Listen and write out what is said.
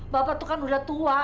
bapak tuh kan udah tua